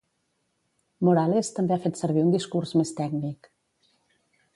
Morales també ha fet servir un discurs més tècnic.